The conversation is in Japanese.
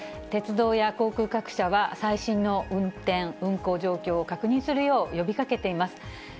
鉄道や航空各社は、最新の運転、運航情報を確認するよう呼びかけています。